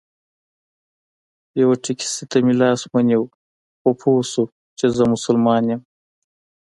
یوه ټیکسي ته مې لاس ونیو خو پوی شو چې زه مسلمان یم.